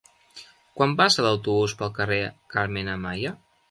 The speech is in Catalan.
Quan passa l'autobús pel carrer Carmen Amaya?